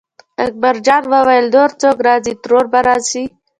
اکبرجان وویل نور څوک راځي ترور به راځي.